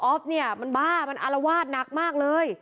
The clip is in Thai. เนี่ยมันบ้ามันอารวาสหนักมากเลย